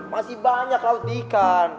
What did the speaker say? masih banyak laut ikan